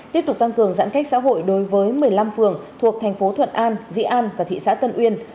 tiếp tục tăng cường giãn cách xã hội đối với một mươi năm phường thuộc thành phố thuận an dĩ an và thị xã tân uyên